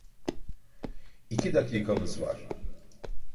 İki dakikamız var.